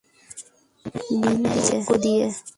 লিনের চাকু দিয়ে!